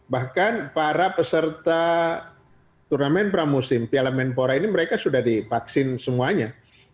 bahkan para peserta turnamen pramusim piala menpora ini mereka sudah divaksin semuanya